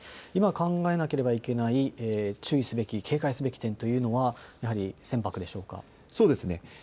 今、考えなければいけない注意すべき、警戒すべき点というのはやはり船舶でしょうか。